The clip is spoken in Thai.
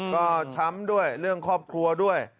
ก็ช้ำด้วยเรื่องครอบครัวด้วย